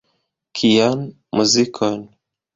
Kian muzikon?